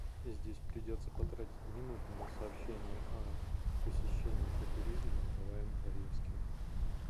Здесь придётся потратить минуту на сообщение о посещении футуризма Николаем Раевским.